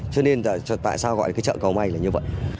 cho nên tại sao gọi là chợ có may là như vậy